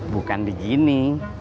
bukan di gini